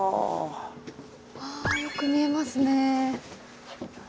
よく見えますね。